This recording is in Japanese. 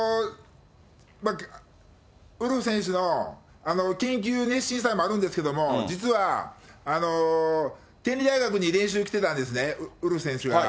ウルフ選手の研究熱心さもあるんですけど、実は天理大学に練習に来てたんですね、ウルフ選手が。